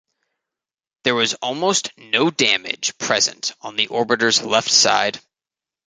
There was almost no damage present on the orbiter's left side.